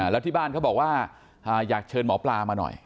แล้วที่บ้านเขาบอกว่าอยากเชิญหมอปลามาหน่อย